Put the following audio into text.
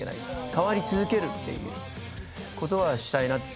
変わり続けるということをしたいなと。